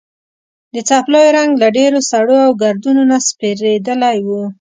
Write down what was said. د څپلیو رنګ له ډېرو سړو او ګردونو نه سپېرېدلی و.